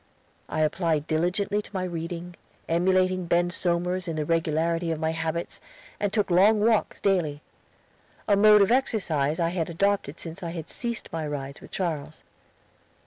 I applied diligently to my reading, emulating Ben Somers in the regularity of my habits, and took long walks daily a mode of exercise I had adopted since I had ceased my rides with Charles.